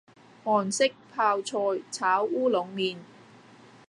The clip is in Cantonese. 韓式泡菜炒烏龍麵